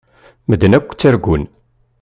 Medden akk ttargun.